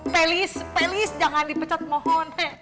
pelis pelis jangan dipecat mohon